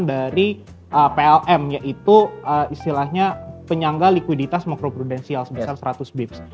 dari plm yaitu istilahnya penyangga likuiditas makro prudensial sebesar seratus bips